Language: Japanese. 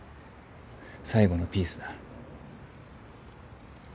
最後のピースだ。